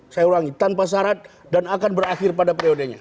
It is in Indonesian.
saya ulangi tanpa syarat dan akan berakhir pada periodenya